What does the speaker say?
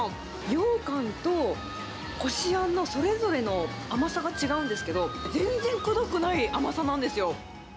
ようかんとこしあんのそれぞれの甘さが違うんですけど、全然くどくない甘さなんですよ。